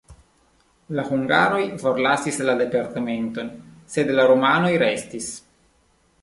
La hungaroj forlasis la departementon, sed la rumanoj restis.